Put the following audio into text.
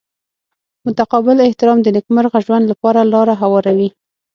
متقابل احترام د نیکمرغه ژوند لپاره لاره هواروي.